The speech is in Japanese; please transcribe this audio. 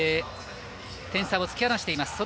点差を突き放しています。